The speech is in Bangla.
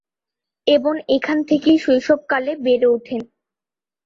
এবং এখান থেকেই শৈশবকালে বেড়ে উঠেন।